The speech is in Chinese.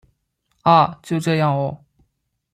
啊！就这样喔